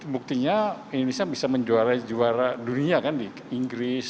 buktinya indonesia bisa menjuara juara dunia kan di inggris